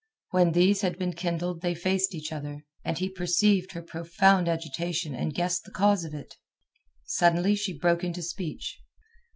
When these had been kindled they faced each other, and he perceived her profound agitation and guessed the cause of it. Suddenly she broke into speech.